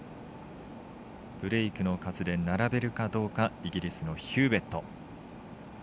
ブレークの数で並べるかどうかイギリスのヒューウェット。